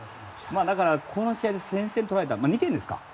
だから、この試合で先制を取られたのは２点ですか。